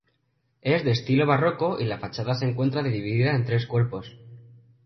Es de estilo barroco, y la fachada se encuentra dividida en tres cuerpos.